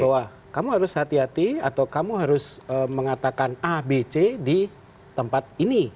bahwa kamu harus hati hati atau kamu harus mengatakan a b c di tempat ini